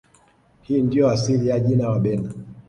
Hii ndiyo asili ya jina Wabena